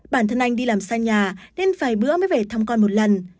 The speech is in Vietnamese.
bản thân anh đi làm xa nhà nên phải bữa mới về thăm con một lần